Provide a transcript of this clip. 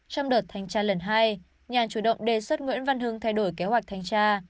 trong đợt thanh tra lần hai nhàn chủ động đề xuất nguyễn văn hưng thay đổi kế hoạch thanh tra